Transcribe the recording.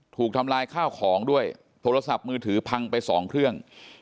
ถูกทำลายข้าวของด้วยโทรศัพท์มือถือพังไปสองเครื่อง